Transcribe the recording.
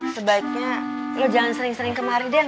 sebaiknya lo jangan sering sering kemari deh